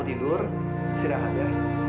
tidur istirahat ya